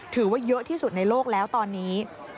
ถือว่าเยอะที่สุดในโลกแล้วตอนนี้